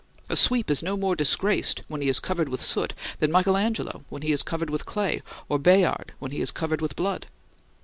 A sweep is no more disgraced when he is covered with soot than Michael Angelo when he is covered with clay, or Bayard when he is covered with blood.